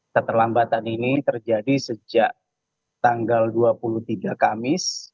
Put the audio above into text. keterlambatan ini terjadi sejak tanggal dua puluh tiga kamis